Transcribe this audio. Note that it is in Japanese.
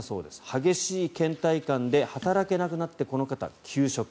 激しいけん怠感で働けなくなってこの方、休職。